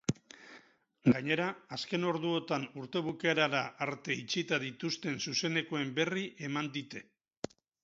Gainera, azken orduotan urte bukaerara arte itxita dituzten zuzenekoen berri eman dyte.